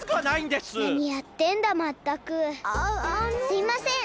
すいません。